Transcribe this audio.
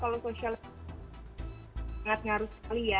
ya memang kalau sosial media sangat ngaruh sekali ya